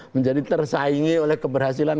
menjadi tersaingi oleh keberhasilan